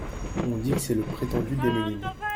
On dit que c’est le prétendu d’Emmeline.